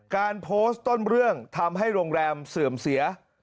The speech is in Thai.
การโพสต์ต้นเรื่องทำให้โรงแรมเสื่อมเสีย